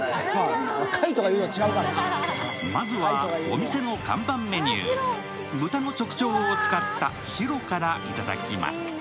まずは、お店の看板メニュー、豚の直腸を使ったシロからいただきます。